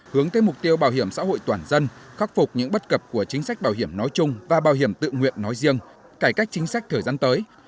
hướng tới mục tiêu bảo hiểm xã hội toàn dân khắc phục những bất cập của chính sách bảo hiểm nói chung và bảo hiểm tự nguyện nói riêng cải cách chính sách thời gian tới